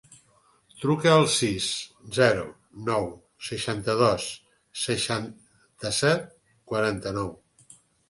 Truca al sis, zero, nou, seixanta-dos, seixanta-set, quaranta-nou.